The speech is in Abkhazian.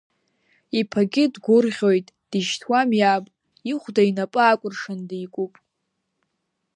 Иԥагьы дгәырӷьоит, дишьҭуам иаб ихәда инапы акәыршаны дикуп.